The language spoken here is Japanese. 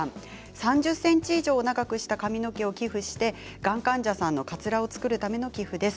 ３０ｃｍ以上長くした髪の毛を寄付して、がん患者さんのかつらを作るための寄付です。